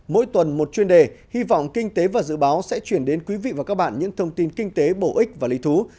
mỗi tuần một chuyên đề hy vọng kinh tế và dự báo sẽ chuyển đến quý vị và các bạn những thông tin kinh tế bổ ích và lý thú